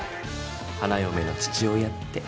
花よめの父親って。